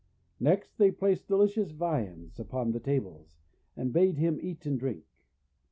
Next they placed delicious viands upon the tables, and bade him eat and drink.